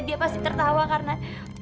dia pasti tertawa karena